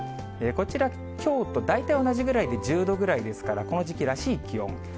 こちら、きょうと大体同じぐらいで１０度ぐらいですから、この時期らしい気温。